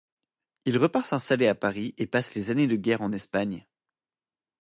Il repart s'installer à Paris et passe les années de guerre en Espagne.